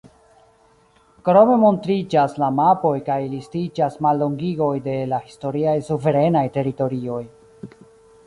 Krome montriĝas la mapoj kaj listiĝas mallongigoj de la historiaj suverenaj teritorioj.